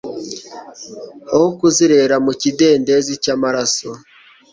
Aho kuzerera mu kidendezi cyamaraso